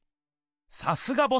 さすがボス！